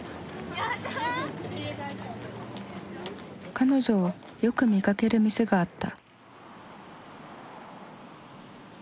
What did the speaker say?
彼女をよく見かける店があった。